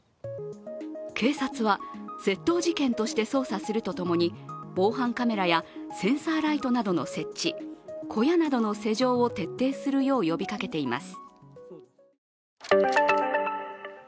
警察は、窃盗事件として捜査するとともに防犯カメラやセンサーライトなどの設置、小屋などの施錠を徹底するよう呼びかけています。